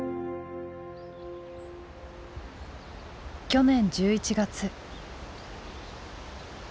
去年１１月。